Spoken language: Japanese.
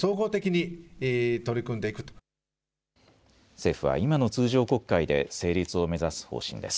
政府は今の通常国会で成立を目指す方針です。